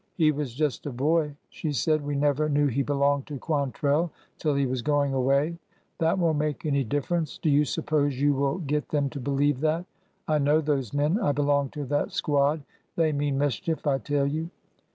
He was just a hoy" she said. We never knew he belonged to Quantrell till he was going away.'' That won't make any difference. Do you suppose you will get them to believe that? I know those men. I belong to that squad. They mean mischief, I tell you."